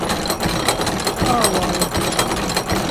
авал